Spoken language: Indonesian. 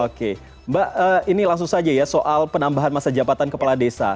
oke mbak ini langsung saja ya soal penambahan masa jabatan kepala desa